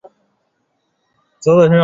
是老大保加利亚建国者一家的氏族。